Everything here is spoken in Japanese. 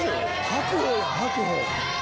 白鵬や白鵬。